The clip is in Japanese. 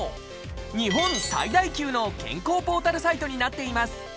日本最大級の健康ポータルサイトになっています。